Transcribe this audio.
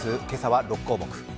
今朝は６項目。